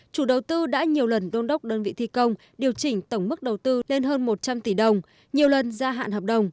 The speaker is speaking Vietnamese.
chủ đầu tư đã nhiều lần đôn đốc đơn vị thi công điều chỉnh tổng mức đầu tư lên hơn một trăm linh tỷ đồng nhiều lần gia hạn hợp đồng